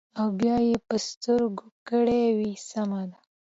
او بيا يې پۀ سترګو کړې وې سمه ده ـ